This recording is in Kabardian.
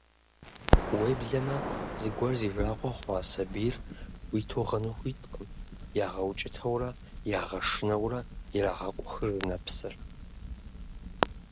Уеблэмэ зыгуэр зи жагъуэ хъуа сабийр хуиту гъыну хуиткъым, ягъэукӀытэурэ, ягъэшынэурэ ирагъэкъухыж нэпсыр.